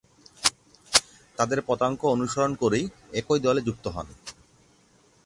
তাদের পদাঙ্ক অনুসরণ করেই একই দলে যুক্ত হন।